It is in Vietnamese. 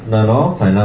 là nó phải là